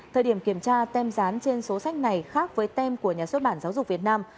thời điểm kiểm tra tem gián trên số sách này khác với tem của nhà xuất bản giáo dục việt nam